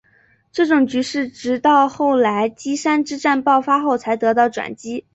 这种局势直到后来稷山之战爆发后才得到转机。